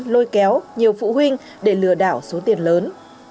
lôi kéo nhiều phụ huynh để lừa đảo số tiền lớn